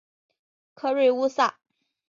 克瑞乌萨。